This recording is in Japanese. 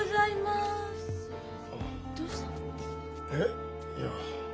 えっ？いや。